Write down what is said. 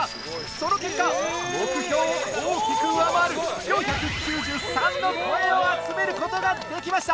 その結果、目標を大きく上回る４９３の声を集めることができました。